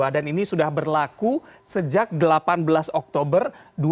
dan ini sudah berlaku sejak delapan belas oktober dua ribu dua puluh dua